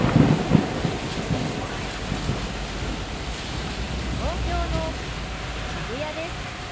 「東京の渋谷です」。